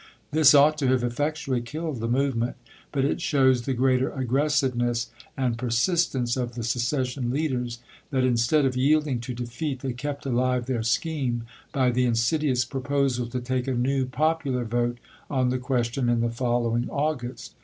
This ought to have effectually killed the movement; but it shows the gi'eater aggressiveness and persistence of the secession leaders, that, instead of yielding to defeat, they kept alive their scheme, by the in sidious proposal to take a new popular vote on the question in the following August.